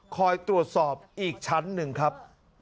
คอยตรวจสอบอีกชั้นหนึ่งครับ